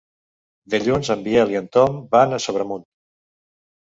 Dilluns en Biel i en Tom van a Sobremunt.